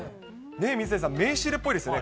水谷さん、名刺入れっぽいですよね。